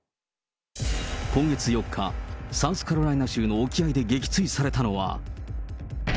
今月４日、サウスカロライナ州の沖合で撃墜されたのは。